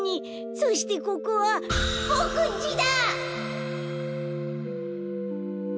そしてここはボクんちだ！